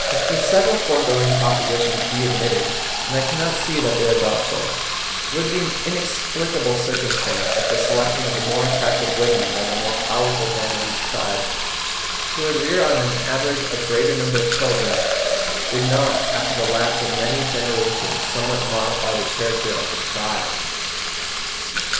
If then the several foregoing propositions be admitted, and I cannot see that they are doubtful, it would be an inexplicable circumstance if the selection of the more attractive women by the more powerful men of each tribe, who would rear on an average a greater number of children, did not after the lapse of many generations somewhat modify the character of the tribe.